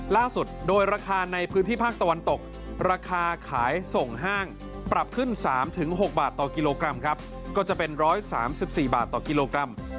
ล่าสุดโดยราคาในพื้นที่ภาคตะวันตกราคาขายส่งห้างปรับขึ้น๓๖บาทต่อกิโลกรัมครับก็จะเป็น๑๓๔บาทต่อกิโลกรัม